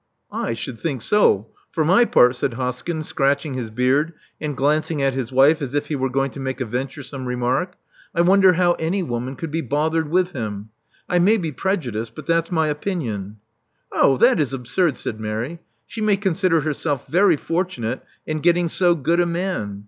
I should think so. For my part," said Hoskyn, scratching his beard, and glancing at his wife as if he were going to make a venturesome remark, I wonder how any woman could be bothered with him ! I may be prejudiced: but that's my opinion." Oh, that is absurd," said Mary. She may con sider herself very fortunate in getting so good a man.